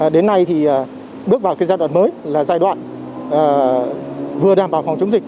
đến nay thì bước vào giai đoạn mới là giai đoạn vừa đảm bảo phòng chống dịch